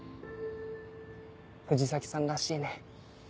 藤崎さんらしいね。